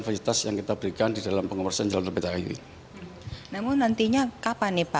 fasilitas yang kita berikan di dalam pengoperasian jalan tol becakayu ini namun nantinya kapan nih pak